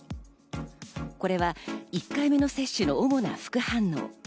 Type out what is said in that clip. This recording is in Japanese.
これは１回目の接種の主な副反応。